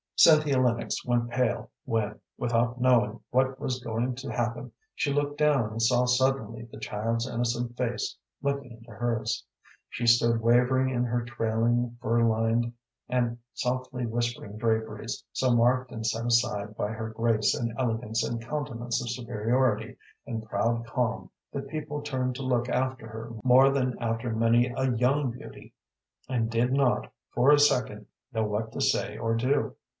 Cynthia Lennox went pale when, without knowing what was going to happen, she looked down and saw suddenly the child's innocent face looking into hers. She stood wavering in her trailing, fur lined, and softly whispering draperies, so marked and set aside by her grace and elegance and countenance of superiority and proud calm that people turned to look after her more than after many a young beauty, and did not, for a second, know what to say or do.